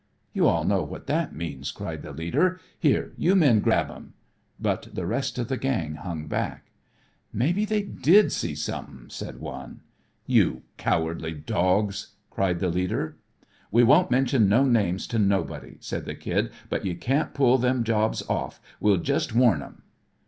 "You all know what that means," cried the leader. "Here you men grab 'em." But the rest of the gang hung back. "Mebbe they did see somethin'," said one. "You cowardly dogs," cried the leader. "We won't mention no names to nobody," said the Kid, "but you can't pull them jobs off. We'll jest warn 'em."